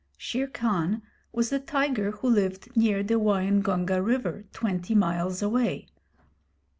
Shere Khan was the tiger who lived near the Waingunga River, twenty miles away.